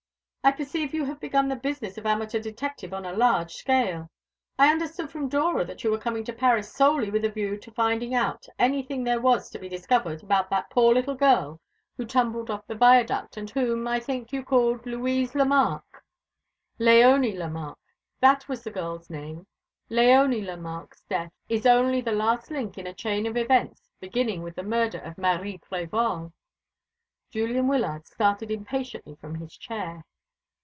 "I perceive you have begun the business of amateur detective on a large scale. I understood from Dora that you were coming to Paris solely with a view to finding out anything there was to be discovered about that poor little girl who tumbled off the viaduct, and whom, I think, you call Louise Lemarque." "Léonie Lemarque. That was the girl's name. Léonie Lemarque's death is only the last link in a chain of events beginning with the murder of Marie Prévol." Julian Wyllard started impatiently from his chair.